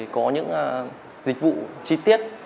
có những dịch vụ chi tiết